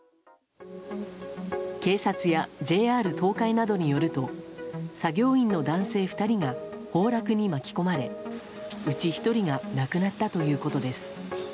警察やＪＲ東海などによると作業員の男性２人が崩落に巻き込まれうち１人が亡くなったということです。